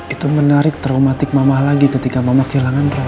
itu menarik traumatik mama lagi ketika mama kehilangan roy